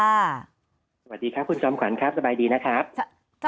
สวัสดีครับคุณจอมขวัญครับสบายดีนะครับ